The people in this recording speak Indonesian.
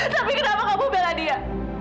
tapi kenapa kamu bela dia